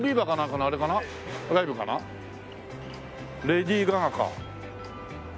レディー・ガガか。